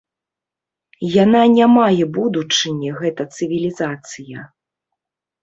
Яна не мае будучыні гэта цывілізацыя.